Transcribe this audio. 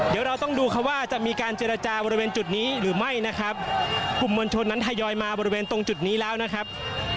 เดี๋ยวเราต้องดูค่ะว่าจะมีการเจรจาบริเวณจุดนี้หรือไม่นะครับกลุ่มมวลชนนั้นทยอยมาบริเวณตรงจุดนี้แล้วนะครับ